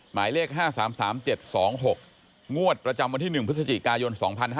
หมายเลข๕๓๓๗๒๖งวดประจำวันที่๑พฤศจิกายน๒๕๕๙